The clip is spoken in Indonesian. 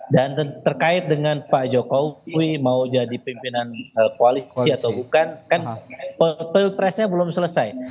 dan terkait dengan pak jokowi mau jadi pemimpin koalisi atau bukan kan press nya belum selesai